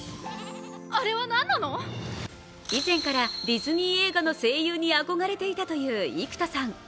以前からディズニー映画の声優に憧れていたという生田さん。